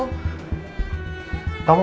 tahu nggak dek